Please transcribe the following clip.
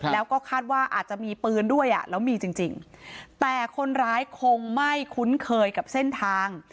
แล้วก็คาดว่าอาจจะมีปืนด้วยอ่ะแล้วมีจริงแต่คนร้ายคงไม่คุ้นเคยกับเส้นทาง